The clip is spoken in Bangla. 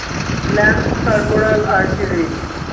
Lance corporal Archie read?